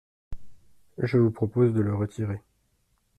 Je vous propose de le retirer.